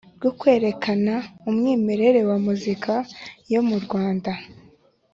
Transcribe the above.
rwo kwerekana umwimerere wa muzika yo mu rwanda